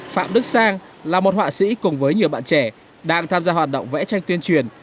phạm đức sang là một họa sĩ cùng với nhiều bạn trẻ đang tham gia hoạt động vẽ tranh tuyên truyền